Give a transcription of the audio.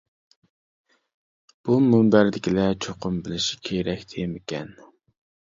بۇ مۇنبەردىكىلەر چوقۇم بىلىشى كېرەك تېمىكەن.